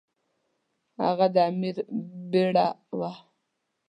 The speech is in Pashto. هغه د امیر بیړه وه.